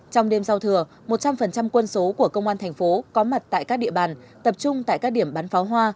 trong đêm sau thừa một trăm linh quân số của công an thành phố có mặt tại các địa bàn tập trung tại các điểm bắn pháo hoa